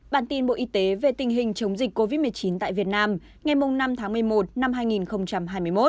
bản tin bộ y tế về tình hình chống dịch covid một mươi chín tại việt nam ngày năm tháng một mươi một năm hai nghìn hai mươi một